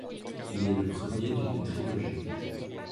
Il est le premier d'une trilogie.